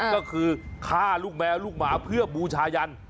ก็คือฆ่าลูกแมวลูกหมาเพื่อบูชายัน